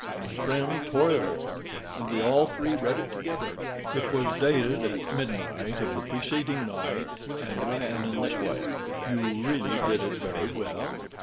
My friend tore it open, and we all three read it together. It was dated at midnight of the preceding night, and ran in this way: "MY DEAR MR. SHERLOCK HOLMES,—You really did it very well.